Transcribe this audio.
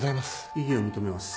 異議を認めます。